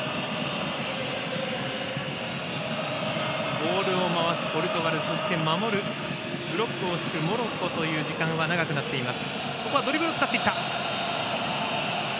ボールを回すポルトガルブロックを敷くモロッコという時間は長くなっています。